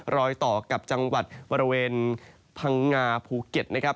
รอยต่อกับจังหวัดบริเวณพังงาภูเก็ตนะครับ